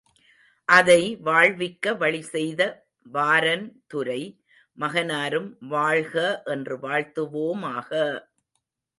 அதை வாழ்விக்க வழிசெய்த வாரன் துரை மகனாரும் வாழ்க என்று வாழ்த்துவோமாக!